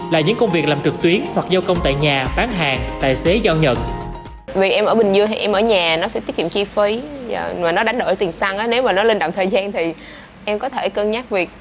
là những công việc làm trực tuyến hoặc vô công tại nhà bán hàng tài xế giao nhận